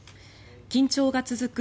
緊張が続く